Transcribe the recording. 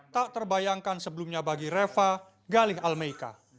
tak terbayangkan sebelumnya bagi reva galih almeika